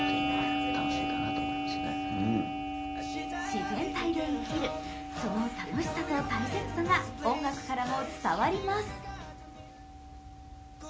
自然体で生きる、その楽しさと大切さが音楽からも伝わります。